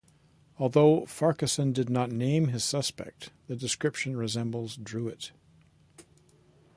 Although Farquharson did not name his suspect, the description resembles Druitt.